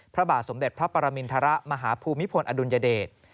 พระบาทสมเด็จพระปรมินทรมาฮภูมิพลอดุลยเดช